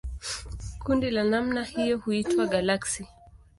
Kundi la namna hiyo huitwa galaksi.